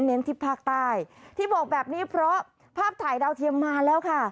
ที่ภาคใต้ที่บอกแบบนี้เพราะภาพถ่ายดาวเทียมมาแล้วค่ะ